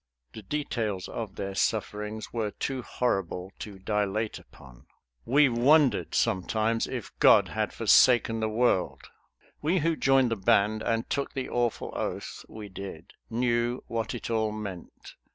The details of their sufferings were too horrible to dilate upon. WE WONDERED SOMETIMES IF GOD HAD FORSAKEN THE WORLD. We who joined the "Band," and took the awful oath we did, knew what it all meant.